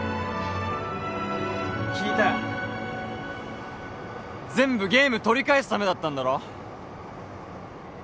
聞いたよ全部ゲーム取り返すためだったんだろ？